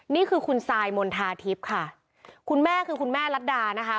นี่คือคุณซายมณฑาทิพย์ค่ะคุณแม่คือคุณแม่รัฐดานะคะ